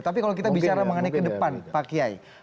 tapi kalau kita bicara mengenai ke depan pak kiai